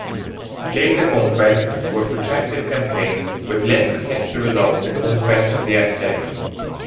Later conquests were protracted campaigns with less spectacular results than conquest of the Aztecs.